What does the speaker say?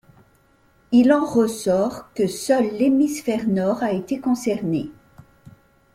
Il en ressort que seul l'hémisphère nord a été concerné.